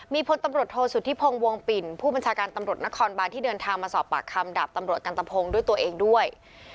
มีพลตำรวจโทษสุธิพงศ์วงปิ่นผู้บัญชาการตำรวจนครบานที่เดินทางมาสอบปากคำดาบตำรวจกันตะพงศ์ด้วยตัวเองด้วย